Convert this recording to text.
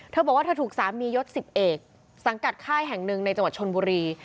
เธอบอกว่าเธอถูกสามียศ๑๐เอกสังกัดค่ายแห่งหนึ่งในจังหวัดชนบุรี